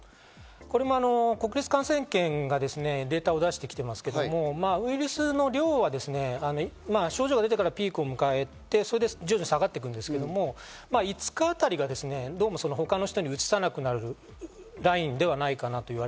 これも国立感染研がデータを出してきていますけど、ウイルスの量は症状が出てからピークを迎えて、それで徐々に下がっていくんですけれども、５日あたりがどうも他の人に移さなくなるラインではないかなと。